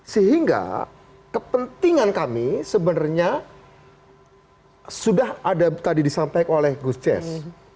sehingga kepentingan kami sebenarnya sudah ada tadi disampaikan oleh gus ces